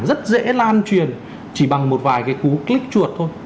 rất dễ lan truyền chỉ bằng một vài cái cú clip chuột thôi